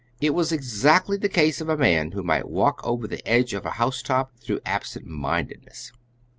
It was exactly the case of a man who might walk over the edge of a housetop through absent mindedness.